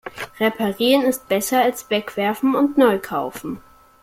Reparieren ist besser als wegwerfen und neu kaufen.